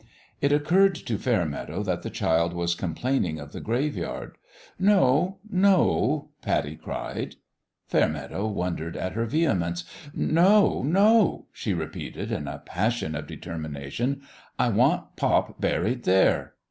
It occurred to Fainneadow that the child was complaining of die graveyard. " No, no !" Puttie cried. Fainneadow wondered at her vehemence. "No, no!" she repeated, in a passion of de termination. " I want pop buried there